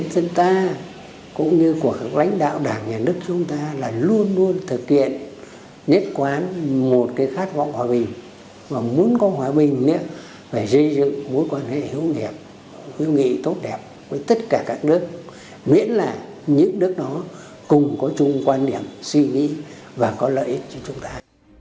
tất cả các nước miễn là những nước đó cùng có chung quan điểm suy nghĩ và có lợi ích cho chúng ta